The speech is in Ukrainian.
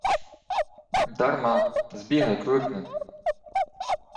— Дарма. Збігай кликни.